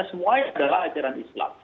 semua yang adalah ajaran islam